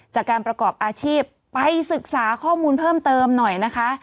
จากการประกอบอาชีพไปศึกษาข้อมูลเพิ่มเติมหน่อยนะคะ